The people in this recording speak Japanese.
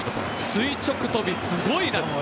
垂直跳び、すごいなこれ。